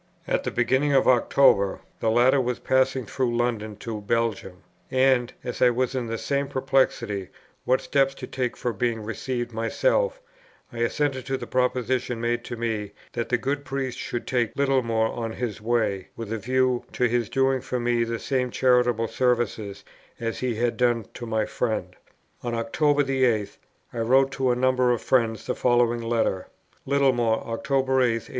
At the beginning of October the latter was passing through London to Belgium; and, as I was in some perplexity what steps to take for being received myself, I assented to the proposition made to me that the good priest should take Littlemore in his way, with a view to his doing for me the same charitable service as he had done to my friend. On October the 8th I wrote to a number of friends the following letter: "Littlemore, October 8th, 1845.